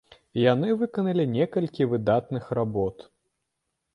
І яны выканалі некалькі выдатных работ.